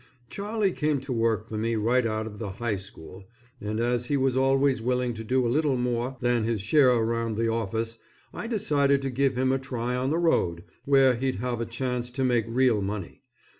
Charlie came to work for me right out of the high school, and as he was always willing to do a little more than his share around the office, I decided to give him a try on the road, where he'd have a chance to make real money.